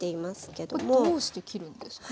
これどうして切るんですか？